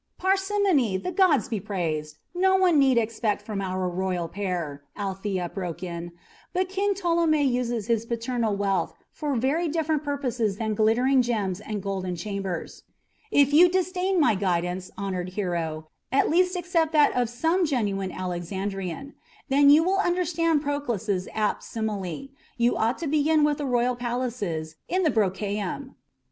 "Parsimony the gods be praised! no one need expect from our royal pair," Althea broke in; "but King Ptolemy uses his paternal wealth for very different purposes than glittering gems and golden chambers. If you disdain my guidance, honoured hero, at least accept that of some genuine Alexandrian. Then you will understand Proclus's apt simile. You ought to begin with the royal palaces in the Brucheium."